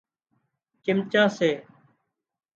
چمچا سي